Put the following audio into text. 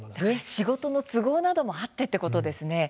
仕事の都合などもあってということなんですね。